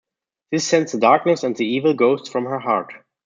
This sends the darkness and the evil ghosts from her heart.